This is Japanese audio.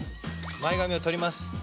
前髪を取ります。